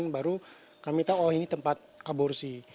baru kami tahu oh ini tempat aborsi